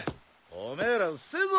お前らうっせえぞ。